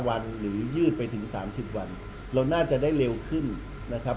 วันหรือยืดไปถึง๓๐วันเราน่าจะได้เร็วขึ้นนะครับ